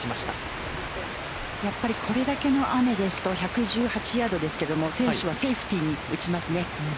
やっぱり、これだけの雨ですと１１８ヤードですが選手はセーフティーに打ちますね。